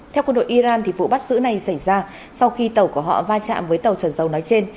theo quân đội iran vụ bắt giữ này xảy ra sau khi tàu của họ va chạm với tàu trở dầu nói trên